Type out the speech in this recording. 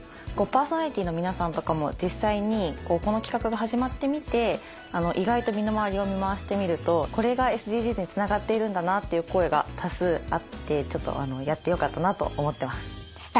パーソナリティーの皆さんとかも実際にこの企画が始まってみて意外と身の回りを見回してみるとこれがＳＤＧｓにつながっているんだなっていう声が多数あってやってよかったなと思ってます。